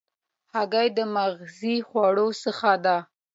هګۍ د مغذي خوړو څخه ده.